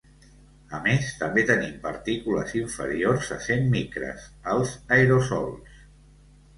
A més, també tenim partícules inferiors a cent micres: els aerosols.